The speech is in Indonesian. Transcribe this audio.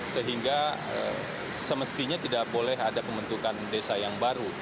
sehingga semestinya tidak boleh ada pembentukan desa yang baru